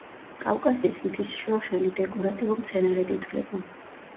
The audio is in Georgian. კავკასიის მთის შროშანი დეკორატიულ მცენარედ ითვლება.